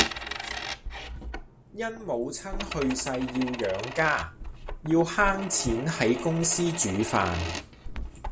因母親去世要養家，要慳錢喺公司煮飯